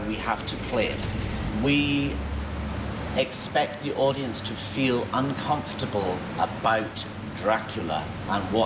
เราอยากให้ผู้ชมรู้สึกยังไงถึงร้ายตกนั้นสิ่งที่เราจะพูดถูกด้วยค่ะ